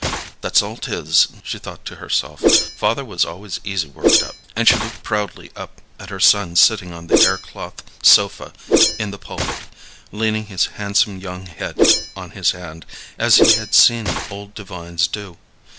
"That's all 't is," she thought to herself. "Father always was easy worked up," and she looked proudly up at her son sitting on the hair cloth sofa in the pulpit, leaning his handsome young head on his hand, as he had seen old divines do.